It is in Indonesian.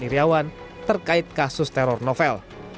iryawan terkait kasus teror novel